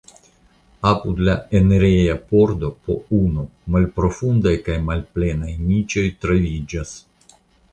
Apud la enireja pordo po unu malprofundaj kaj malplenaj niĉoj troviĝas.